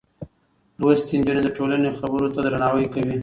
لوستې نجونې د ټولنې خبرو ته درناوی کوي.